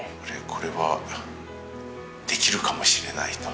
これはできるかもしれないと。